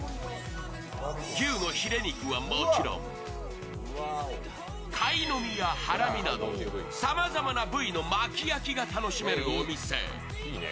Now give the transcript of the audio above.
牛のヒレ肉はもちろん、カイノミやハラミなどさまざまな部位のまき焼きが楽しめるお店。